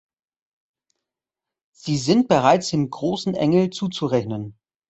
Sie sind bereits dem Großen Engel zuzurechnen.